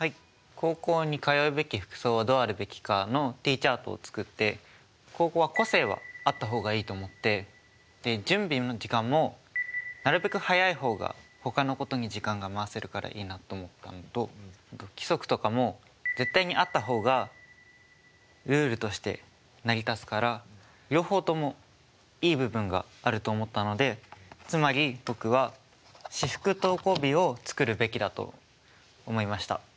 高校に通うべき服装はどうあるべきかのＴチャートを作って高校は個性はあった方がいいと思って準備の時間もなるべく早い方が他のことに時間が回せるからいいなと思ったのと規則とかも絶対にあった方がルールとして成り立つから両方ともいい部分があると思ったのでつまり僕は私服登校日を作るべきだと思いました。